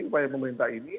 upaya pemerintah ini